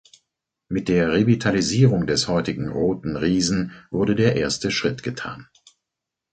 Mit der Revitalisierung des heutigen „Roten Riesen“ wurde der erste Schritt getan.